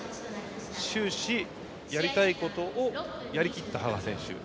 終始、やりたいことをやりきった羽賀選手。